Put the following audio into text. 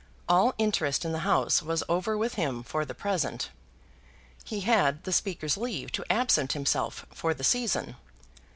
All interest in the House was over with him for the present. He had the Speaker's leave to absent himself for the season.